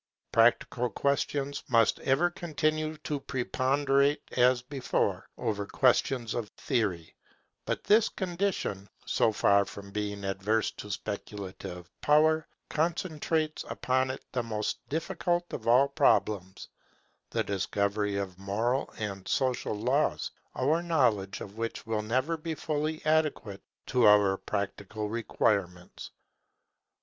Practical questions must ever continue to preponderate, as before, over questions of theory; but this condition, so far from being adverse to speculative power, concentrates it upon the most difficult of all problems, the discovery of moral and social laws, our knowledge of which will never be fully adequate to our practical requirements.